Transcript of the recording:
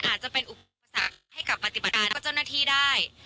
อาจจะเป็นอุปสรรคให้กับปฏิบัติการแล้วก็เจ้าหน้าที่ได้